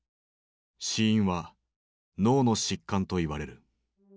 死因は脳の疾患といわれる。